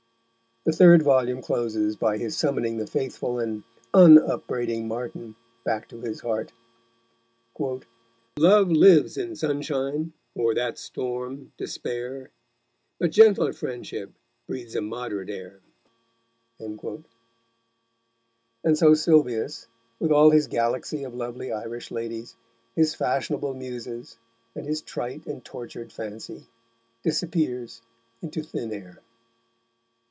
The third volume closes by his summoning the faithful and unupbraiding Martin back to his heart: Love lives in Sun Shine, or that Storm, Despair, But gentler Friendship Breathes a Mod'rate Air. And so Sylvius, with all his galaxy of lovely Irish ladies, his fashionable Muses, and his trite and tortured fancy, disappears into thin air.